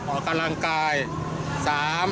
ออกกำลังกาย